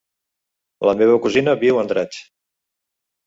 La meva cosina viu a Andratx.